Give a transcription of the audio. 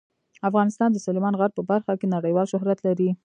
افغانستان د سلیمان غر په برخه کې نړیوال شهرت لري.